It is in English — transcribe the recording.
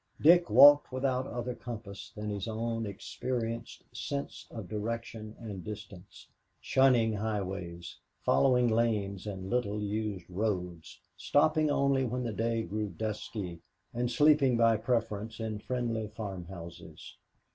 Dick walked without other compass than his own experienced sense of direction and distance, shunning highways, following lanes and little used roads, stopping only when the day grew dusky and sleeping by preference in friendly farmhouses.